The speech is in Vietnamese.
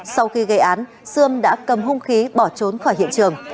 sau khi gây án sươm đã cầm hung khí bỏ trốn khỏi hiện trường